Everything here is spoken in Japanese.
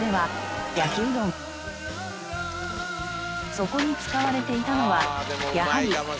そこに使われていたのはやはり源たれ。